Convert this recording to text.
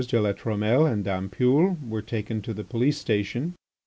de La Trumelle and d'Ampoule were taken to the police station.